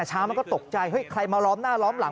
เช้ามันก็ตกใจเฮ้ยใครมาล้อมหน้าล้อมหลัง